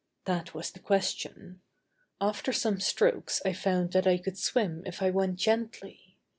That was the question. After some strokes I found that I could swim if I went gently.